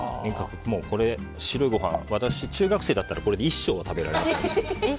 白いご飯、私中学生だったらこれで１升は食べられる。